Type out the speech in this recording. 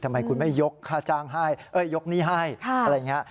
ทำไมคุณไม่ยกค่าจ้างให้ยกหนี้ให้อะไรอย่างนี้